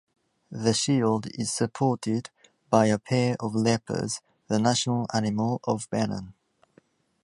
The shield is supported by a pair of leopards, the national animal of Benin.